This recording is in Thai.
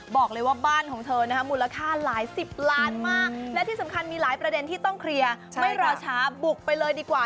บอกเลยว่าบ้านของเธอนะคะมูลค่าหลายสิบล้านมากและที่สำคัญมีหลายประเด็นที่ต้องเคลียร์ไม่รอช้าบุกไปเลยดีกว่า